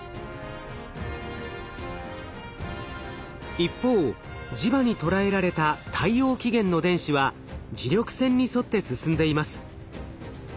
一方磁場にとらえられた太陽起源の電子は磁力線に沿って進んでいます。